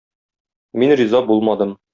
Мин риза булмадым.